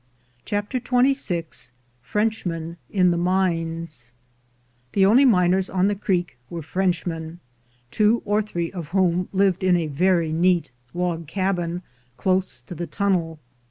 CHAPTER XXVI FRENCHMEN IN THE MINES THE only miners on the Creek were Frenchmen, two or three of whom lived in a very neat log cabin, close to the tunnel.